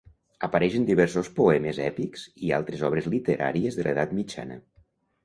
Apareix en diversos poemes èpics i altres obres literàries de l'edat mitjana.